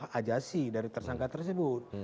menanggar hak hak ajasi dari tersangka tersebut